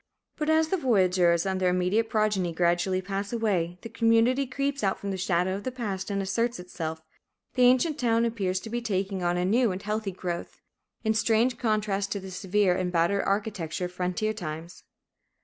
But as the voyageurs and their immediate progeny gradually pass away, the community creeps out from the shadow of the past and asserts itself. The ancient town appears to be taking on a new and healthy growth, in strange contrast to the severe and battered architecture of frontier times.